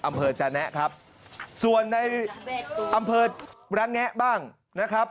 อำเภอจแนะครับส่วนในอำเภอระแงะบ้างนะครับ